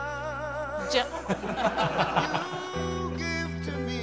じゃあ。